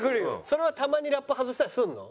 それはたまにラップ外したりするの？